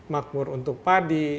makmur untuk padi